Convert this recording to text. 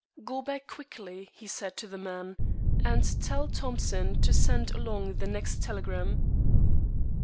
"Go back quickly," he said to the man, "and tell Thompson to send along the next telegram."